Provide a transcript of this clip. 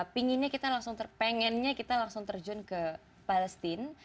pengennya kita langsung terjun ke palestine